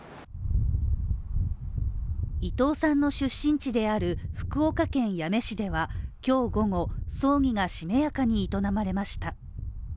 伊藤さんの出身地である福岡県八女市では今日午後、葬儀がしめやかに営まれました。